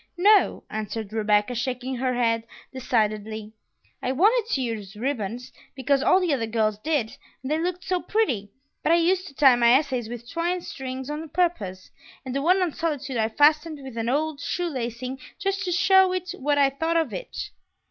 "No," answered Rebecca, shaking her head decidedly; "I wanted to use ribbons, because all the other girls did, and they looked so pretty, but I used to tie my essays with twine strings on purpose; and the one on solitude I fastened with an old shoelacing just to show it what I thought of it!"